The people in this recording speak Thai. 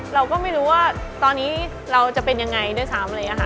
เราก็ไม่รู้ว่าตอนนี้เราจะเป็นยังไงด้วยซ้ำอะไรอย่างนี้ค่ะ